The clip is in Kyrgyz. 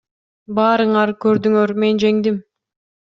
Баарыңар көрдүңөр, мен жеңдим.